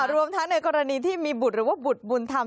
รวมทั้งในกรณีที่มีบุตรหรือว่าบุตรบุญธรรม